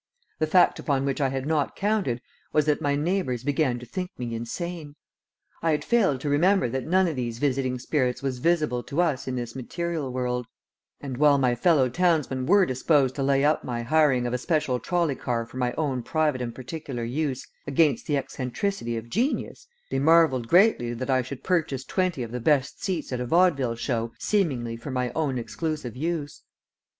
The fact upon which I had not counted was that my neighbors began to think me insane. I had failed to remember that none of these visiting spirits was visible to us in this material world, and while my fellow townsmen were disposed to lay up my hiring of a special trolley car for my own private and particular use against the eccentricity of genius, they marvelled greatly that I should purchase twenty of the best seats at a vaudeville show seemingly for my own exclusive use.